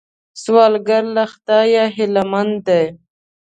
سوالګر له خدایه هیلمن دی